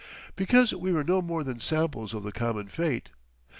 Because we were no more than samples of the common fate.